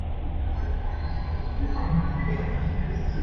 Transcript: "Rebirth of Mothra" was released directly to video in the United States.